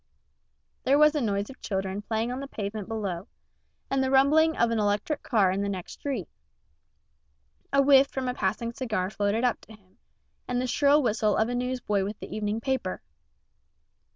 There was a noise of children playing on the pavement below, and the rumbling of an electric car in the next street. A whiff from a passing cigar floated up to him, and the shrill whistle of a newsboy with the evening paper.